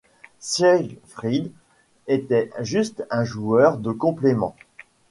Siegfried était juste un joueur de complément.